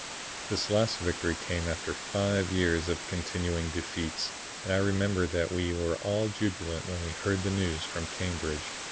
This last victory came after five years of continuing defeats, and I remember that we were all jubilant when we heard the news from Cambridge.